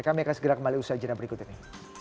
kami akan segera kembali ke usaha jenayah berikut ini